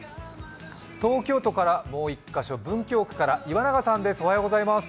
東京都からもう１カ所、文京区から岩永さんです。